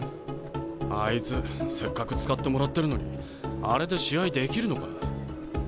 あいつせっかく使ってもらってるのにあれで試合できるのか？